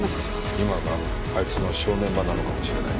今があいつの正念場なのかもしれないな。